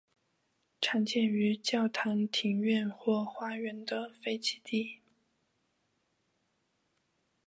常见于教堂庭院或花园的废弃地。